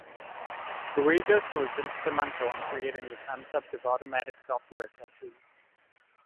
Rigas was instrumental in creating the concept of automatic software patches.